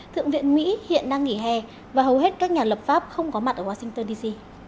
thượng viện mỹ hiện đang nghỉ hè và hầu hết các nhà lập pháp không có mặt ở washington dc